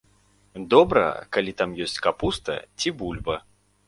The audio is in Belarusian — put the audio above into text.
Добра, калі там ёсць капуста ці бульба.